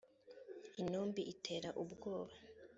intumbi itera ubwoba